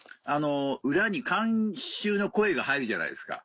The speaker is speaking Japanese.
裏に観衆の声が入るじゃないですか。